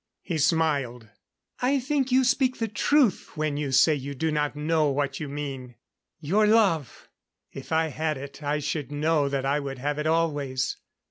He smiled. "I think you speak the truth when you say you do not know what you mean. Your love! If I had it, I should know that I would have it always.